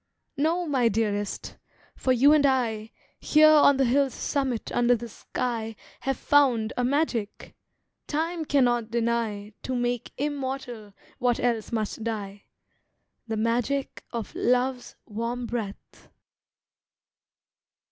No, my dearest! for you and I Here on the hill's summit under the sky Have found a magic, time cannot deny To make immortal what else must die, The magic of Love's warm breath.